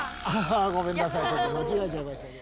ごめんなさい間違えちゃいましたね。